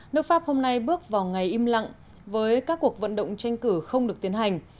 nước pháp hôm nay bước vào ngày im lặng với các cuộc vận động tranh cử không được tiến hành